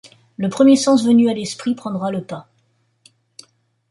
Le premier sens venu à l'esprit prendra le pas.